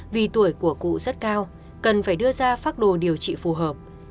vì tuổi của cụ rất cao cần phải đưa ra phác đồ điều trị phù hợp